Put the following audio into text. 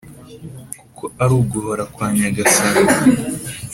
Kuko ari uguhora kwa Nyagasani.